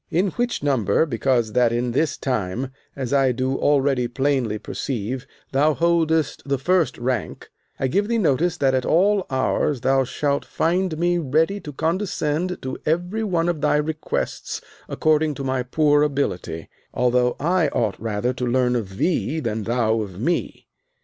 In which number, because that in this time, as I do already very plainly perceive, thou holdest the first rank, I give thee notice that at all hours thou shalt find me ready to condescend to every one of thy requests according to my poor ability; although I ought rather to learn of thee than thou of me.